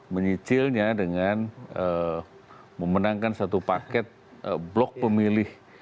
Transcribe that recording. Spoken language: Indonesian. menyicilnya dengan memenangkan satu paket blok pemilih